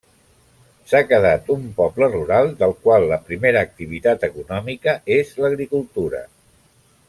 S'ha quedat un poble rural, del qual la primera activitat econòmica és l'agricultura.